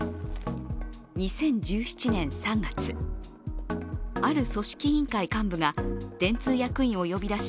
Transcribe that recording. ２０１７年３月、ある組織委員会幹部が電通役員を呼び出し